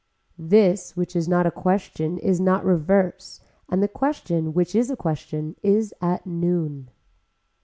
This which is not a question is not reverse and the question which is a question is at noon.